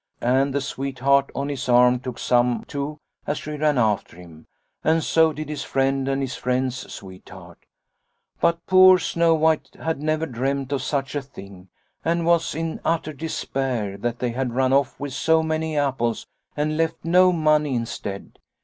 And the sweetheart on his arm took some too as she ran after him and so did his friend and his friend's sweetheart. " But poor Snow White had never dreamt of such a thing and was in utter despair that they had run off with so many apples and left no money instead.